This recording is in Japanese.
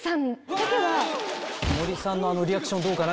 森さんのあのリアクションどうかな？